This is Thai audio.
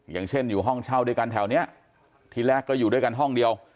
อย่างเช่นอยู่ห้องเช่าด้วยกันแถวนี้ทีแรกก็อยู่ด้วยกันห้องเดียว